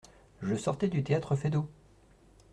Je sortais du théâtre Feydeau…